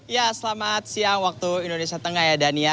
ya selamat siang waktu indonesia tengah ya dania